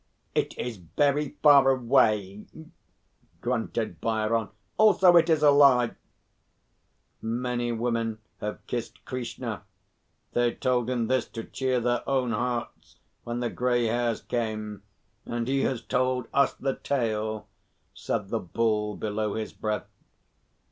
"It is very far away," grunted Bhairon. "Also, it is a lie." "Many women have kissed Krishna. They told him this to cheer their own hearts when the grey hairs came, and he has told us the tale," said the Bull, below his breath.